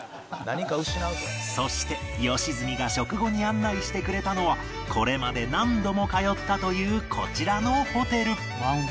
そして良純が食後に案内してくれたのはこれまで何度も通ったというこちらのホテル